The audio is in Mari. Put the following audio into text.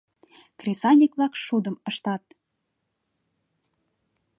Кресаньык-влак шудым ыштат.